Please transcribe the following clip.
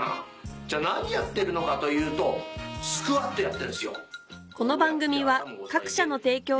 じゃ何やってるのかというとスクワットやってんですよ。